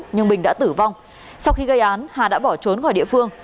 nhưng bình đã tử vong sau khi gây án hà đã bỏ trốn khỏi địa phương